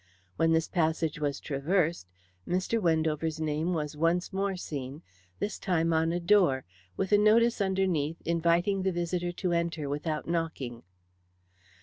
When this passage was traversed, Mr. Wendover's name was once more seen, this time on a door, with a notice underneath inviting the visitor to enter without knocking.